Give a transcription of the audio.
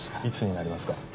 いつになりますか？